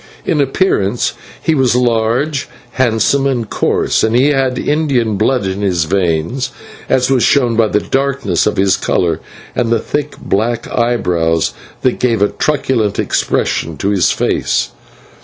In appearance he was large, handsome, and coarse, and he had Indian blood in his veins, as was shown by the darkness of his colour and the thick black eyebrows that gave a truculent expression to his face.